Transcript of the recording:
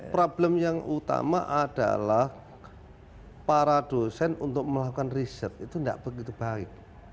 problem yang utama adalah para dosen untuk melakukan riset itu tidak begitu baik